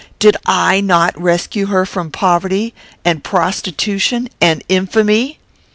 "Did I not rescue her from poverty, and prostitution, and infamy?